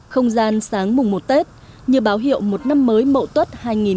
không gian sáng mùng một tết như báo hiệu một năm mới mậu tuất hai nghìn một mươi tám